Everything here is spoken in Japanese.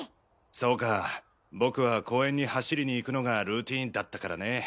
そうか僕は公園に走りに行くのがルーティンだったからね。